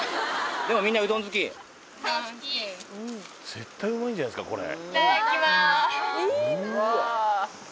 絶対うまいんじゃないですかこれ。